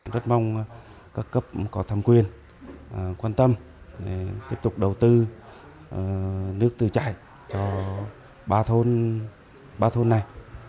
rất mong các cấp có tham quyền quan tâm tiếp tục đầu tư nước tự chảy cho ba thôn này